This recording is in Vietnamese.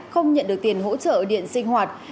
không nhận được tiền hỗ trợ điện sinh hoạt